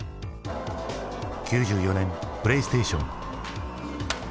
９４年プレイステーション。